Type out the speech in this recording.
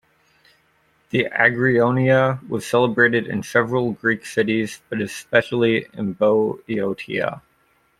The Agrionia was celebrated in several Greek cities, but especially in Boeotia.